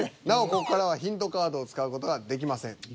なおここからはヒントカードを使う事ができません。